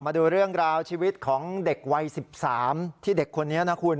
มาดูเรื่องราวชีวิตของเด็กวัย๑๓ที่เด็กคนนี้นะคุณ